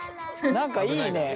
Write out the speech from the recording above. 何かいいね。